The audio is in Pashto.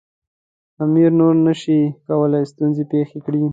امیر نور نه شي کولای ستونزې پېښې کړي.